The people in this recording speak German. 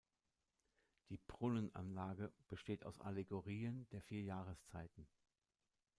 Die Brunnenanlage besteht aus Allegorien der vier Jahreszeiten.